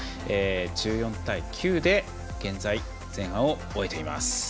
１４対９で現在、前半を終えています。